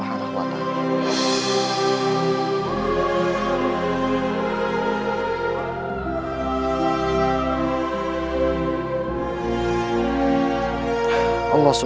allah swt berfirman